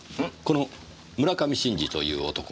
この村上真治という男